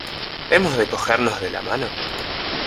¿ Hemos de cogernos de la mano?